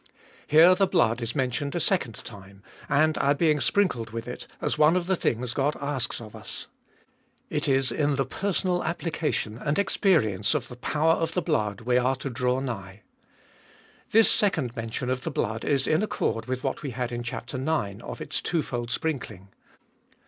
Here the blood is mentioned a second time, and our being sprinkled with it as one of the things God asks of us. It is in the personal application and experience of the power of the blood we are to draw nigh. This second mention of the blood is in accord with what we had in chap. ix. of its twofold sprinkling.